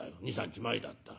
２３日前だった。